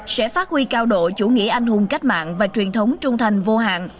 sẽ phát huy cao độ chủ nghĩa anh hùng cách mạng và truyền thống trung thành vô hạn